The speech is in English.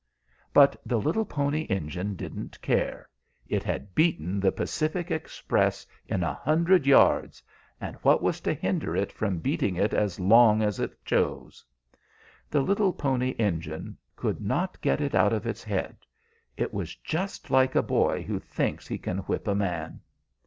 "But the little Pony Engine didn't care. It had beaten the Pacific Express in a hundred yards, and what was to hinder it from beating it as long as it chose? The little Pony Engine could not get it out of its head. It was just like a boy who thinks he can whip a man."